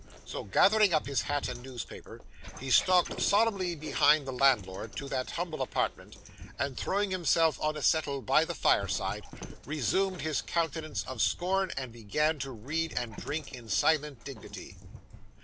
So, gathering up his hat and newspaper, he stalked solemnly behind the landlord to that humble apartment, and throwing himself on a settle by the fireside, resumed his countenance of scorn, and began to read and drink in silent dignity.